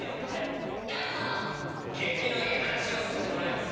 景気のいい話をさせてもらいます。